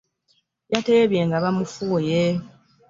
Yateebye nga bamufuuye.